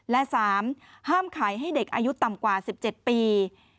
และ๓ห้ามขายให้เด็กอายุต่ำกว่า๑๗ปี